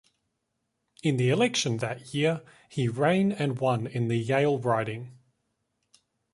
In the election that year, he rain and won in the Yale riding.